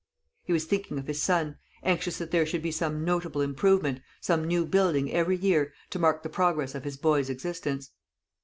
He was thinking of his son, anxious that there should be some notable improvement, some new building every year, to mark the progress of his boy's existence.